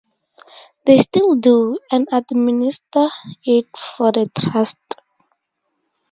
They still do, and administer it for the Trust.